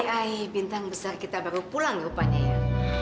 ai bintang besar kita baru pulang rupanya ya